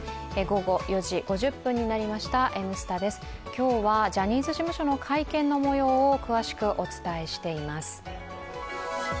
今日はジャニーズ事務所の会見のもようを詳しくお伝えしています。